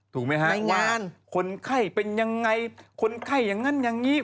ถูกไหมฮะเมื่อวานคนไข้เป็นยังไงคนไข้อย่างนั้นอย่างนี้